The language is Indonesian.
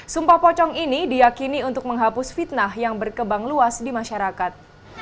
sumpah pocong ini diakini untuk menghapus fitnah yang berkembang luas di masyarakat